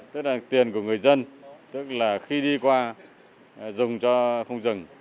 tức là tiền của người dân tức là khi đi qua dùng cho không dừng